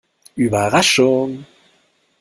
Überraschung!